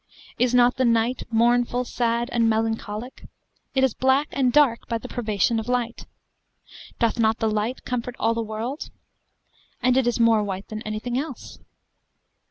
Is not the night mournful, sad, and melancholic? It is black and dark by the privation of light. Doth not the light comfort all the world? And it is more white than anything else.